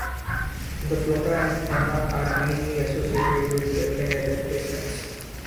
The flora and fauna are mainly associated with wetland adaptations.